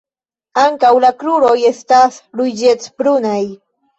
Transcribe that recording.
Ankaŭ la kruroj estas ruĝecbrunaj.